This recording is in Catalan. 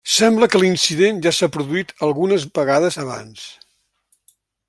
Sembla que l'incident ja s'ha produït algunes vegades abans.